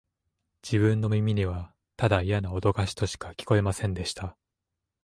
自分の耳には、ただイヤなおどかしとしか聞こえませんでした